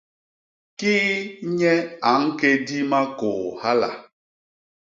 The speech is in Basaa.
Kii nye a ñkédi makôô hala?